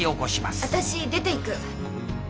私出ていく。